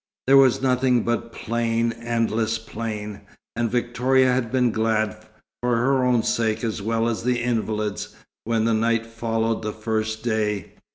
There was nothing but plain, endless plain, and Victoria had been glad, for her own sake as well as the invalid's, when night followed the first day.